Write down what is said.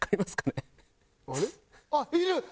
あっいる！